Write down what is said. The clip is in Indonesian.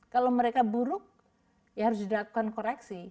kalau mereka buruk ya harus dilakukan koreksi